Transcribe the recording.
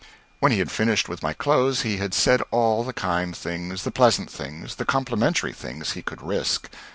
When he had finished with my clothes he had said all the kind things, the pleasant things, the complimentary things he could risk.